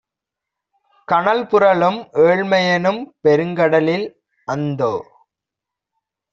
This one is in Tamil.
"கனல்புரளும் ஏழ்மையெனும் பெருங்கடலில், அந்தோ!